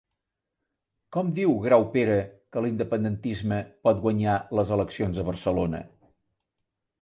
Com diu Graupera que l'independentisme pot guanyar les eleccions a Barcelona?